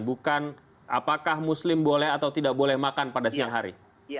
bukan apakah muslim boleh atau tidak boleh makan pada siang hari